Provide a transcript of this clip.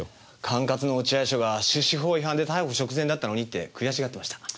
管轄の落合署が出資法違反で逮捕直前だったのにって悔しがってました。